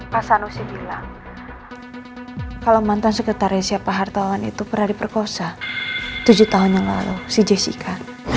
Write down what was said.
pak sanusi bilang kalau mantan sekretarisnya pak hartawan itu pernah diperkosa tujuh tahun yang lalu si jessica